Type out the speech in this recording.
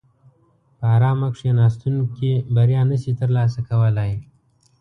په ارامه کیناستونکي بریا نشي ترلاسه کولای.